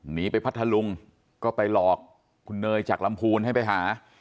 หนีไปพัทธลุงก็ไปหลอกคุณเนยจากลำพูนให้ไปหา